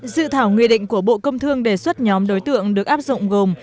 dự thảo nghị định của bộ công thương đề xuất nhóm đối tượng được áp dụng gồm